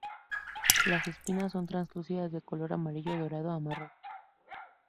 Las espinas son translúcidas de color amarillo dorado a marrón.